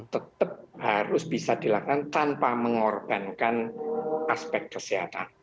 tetap harus bisa dilakukan tanpa mengorbankan aspek kesehatan